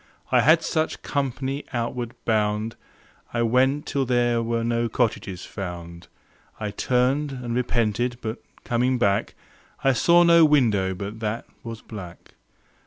I had such company outward bound. I went till there were no cottages found. I turned and repented, but coming back I saw no window but that was black.